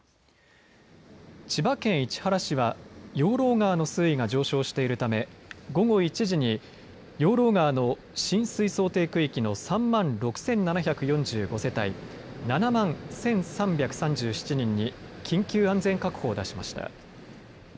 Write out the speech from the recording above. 千葉県市原市は養老川の水位が上昇しているため、午後１時に養老川の浸水想定区域の３万６７４５世帯７万１３３７人に緊急安全確保を出しました。